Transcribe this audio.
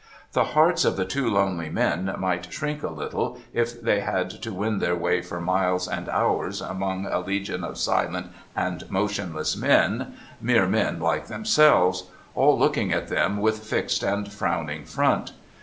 The hearts of two lonely men might shrink a little, if they had to win their way for miles and hours among a legion of silent and motionless men — mere men like themselves — all looking at them with fixed and frowning front.